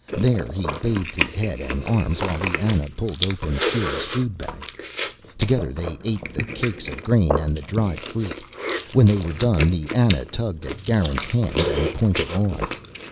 There he bathed his head and arms while the Ana pulled open Sera's food bag. Together they ate the cakes of grain and the dried fruit. When they were done the Ana tugged at Garin's hand and pointed on.